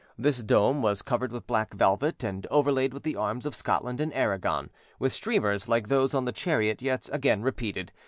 This dome was covered with black velvet, and overlaid with the arms of Scotland and Aragon, with streamers like those on the chariot yet again repeated.